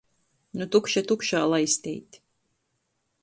Nu tukša tukšā laisteit.